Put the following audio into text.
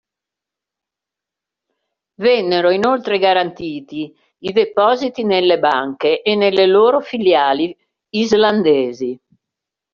Vennero inoltre garantiti i depositi nelle banche e nelle loro filiali islandesi.